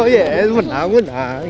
yes menang menang